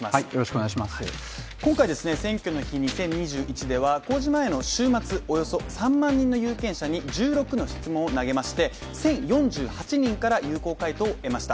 今回、「選挙の日２０２１」では公示前の週末およそ３万人の有権者に、１６の質問を投げまして１０４８人から有効回答を得ました。